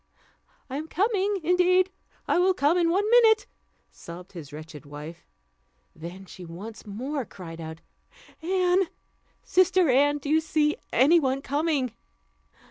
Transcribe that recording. "I am coming; indeed I will come in one minute," sobbed his wretched wife. Then she once more cried out, "Anne! sister Anne! do you see any one coming?"